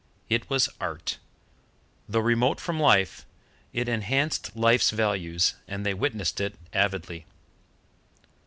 It was Art; though remote from life, it enhanced life's values, and they witnessed it avidly.